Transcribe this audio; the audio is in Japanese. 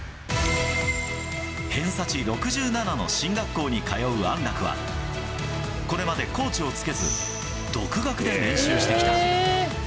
偏差値６７の進学校に通う安楽は、これまでコーチをつけず、独学で練習してきた。